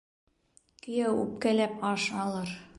Кейәү үпкәләп аш алыр.